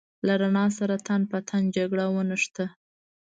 له رڼا سره تن په تن جګړه ونښته.